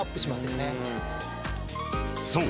［そう。